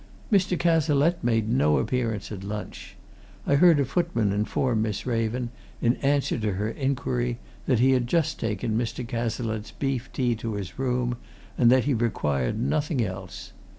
Mr. Cazalette made no appearance at lunch. I heard a footman inform Miss Raven, in answer to her inquiry, that he had just taken Mr. Cazalette's beef tea to his room and that he required nothing else.